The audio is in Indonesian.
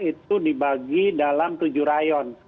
itu dibagi dalam tujuh rayon